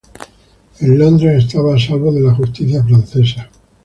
En Londres estaba a salvo de la justicia francesa.